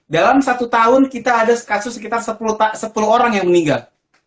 dalam satu tahun kita ada kasus sekitar sepuluh orang yang meninggal